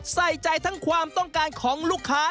ใส่ใจทั้งความต้องการของลูกค้า